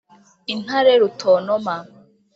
• intare rutontoma.